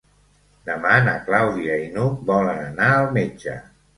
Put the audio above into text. Demà na Clàudia i n'Hug volen anar al metge.